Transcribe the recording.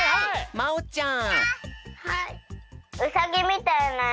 まおちゃん